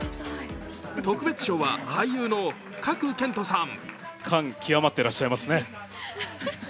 特別賞は、俳優の賀来賢人さん。